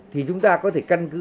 thì chúng ta có thể căn cứ